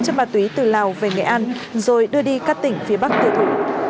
chất ma túy từ lào về nghệ an rồi đưa đi các tỉnh phía bắc tiêu thụ